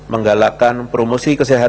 menggalakkan promosi keseluruhan